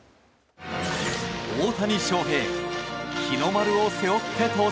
大谷翔平日の丸を背負って登場。